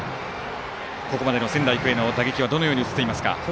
ここまでの仙台育英の打撃はどのように映っていますか。